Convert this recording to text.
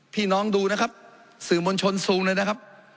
พี่น้องดูนะครับสื่อมวลชนซูมเลยนะครับ